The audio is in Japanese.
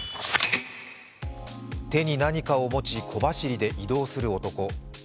手に何かを持ち小走りで移動する男。